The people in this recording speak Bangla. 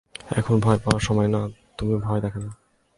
এখন ভয় পাওয়ার সময় না, তুমি ভয় দেখাবে।